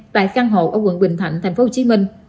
tại căn hộ ở quận quỳnh thạnh tp hcm